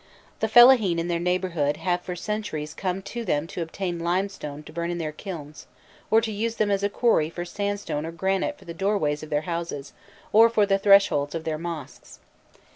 The fellahîn in their neighbourhood have for centuries come to them to obtain limestone to burn in their kilns, or to use them as a quarry for sandstone or granite for the doorways of their houses, or for the thresholds of their mosques.